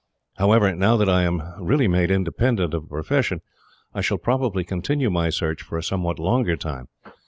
However, now that I am really made independent of a profession, I shall probably continue my search for a somewhat longer time.